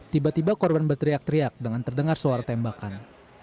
tiba tiba korban berteriak teriak dengan terdengar suara tembakan